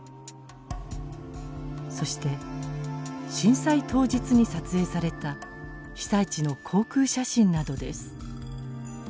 そして震災当日に撮影された被災地の航空写真などです。